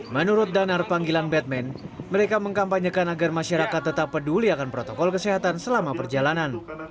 menurut danar panggilan batman mereka mengkampanyekan agar masyarakat tetap peduli akan protokol kesehatan selama perjalanan